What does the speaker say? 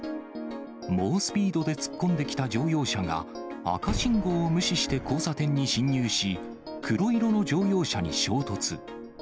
猛スピードで突っ込んできた乗用車が、赤信号を無視して交差点に進入し、黒色の乗用車に衝突。